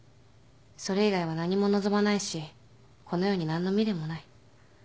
それ以外は何も望まないしこの世に何の未練もない